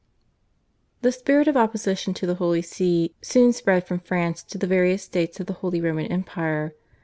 The spirit of opposition to the Holy See soon spread from France to the various states of the Holy Roman Empire.